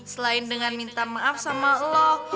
selain dengan minta maaf sama allah